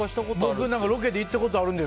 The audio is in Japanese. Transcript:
僕、ロケで行ったことあるんです。